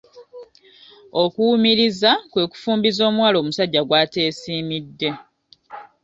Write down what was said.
Okuwumiriza kwe kufumbiza omuwala omusajja gw'ateesimidde